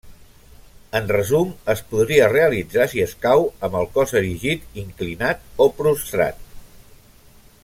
En resum, es podria realitzar, si escau, amb el cos erigit, inclinat o prostrat.